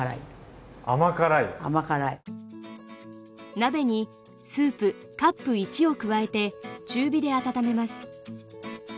鍋にスープカップ１を加えて中火で温めます。